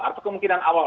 atau kemungkinan awal